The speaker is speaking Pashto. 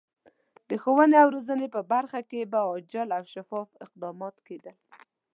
د ښوونې او روزنې په برخه کې به عاجل او شفاف اقدامات کېدل.